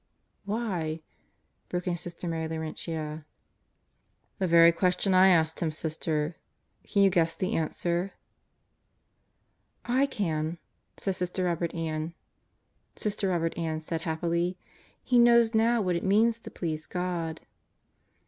" "Why?" broke in Sister Mary Laurentia. "The very question I asked him, Sister. Can you guess the answer?" "I can," Sister Robert Ann said happily. "He knows now what it means to please God."